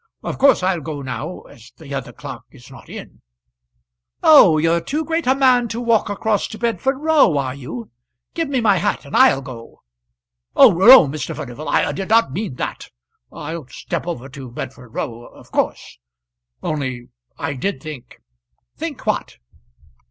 Of course I'll go now, as the other clerk is not in." "Oh, you're too great a man to walk across to Bedford Row, are you? Give me my hat, and I'll go." "Oh, no, Mr. Furnival, I did not mean that. I'll step over to Bedford Row, of course; only I did think " "Think what?"